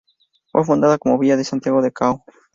Fue fundada como "Villa de Santiago de Cao".